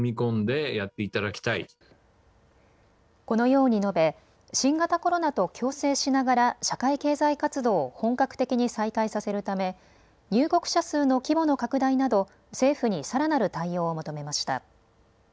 このように述べ、新型コロナと共生しながら社会経済活動を本格的に再開させるため入国者数の規模の拡大など政府にさらなる対応を求めました。